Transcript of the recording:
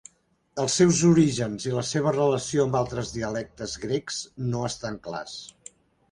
Els seus orígens i la seva relació amb altres dialectes grecs no estan clars.